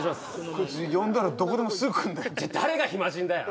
こいつ呼んだらどこでもすぐ来る誰がヒマ人だよ